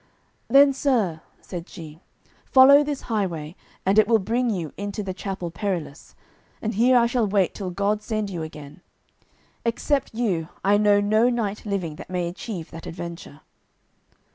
"Then, sir," said she, "follow this highway, and it will bring you into the Chapel Perilous, and here I shall wait till God send you again; except you I know no knight living that may achieve that adventure."